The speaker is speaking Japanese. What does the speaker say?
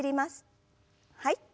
はい。